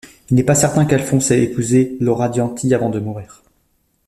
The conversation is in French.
Il n'est pas certain qu'Alphonse ait épousé Laura Dianti avant de mourir.